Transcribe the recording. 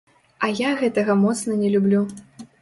А я гэтага моцна не люблю.